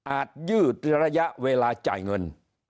ยืดระยะเวลาจ่ายเงิน